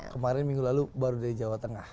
kemarin minggu lalu baru dari jawa tengah